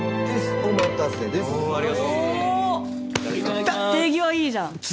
手際いいじゃん。